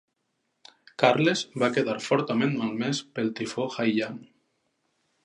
Carles va quedar fortament malmès pel tifó Haiyan.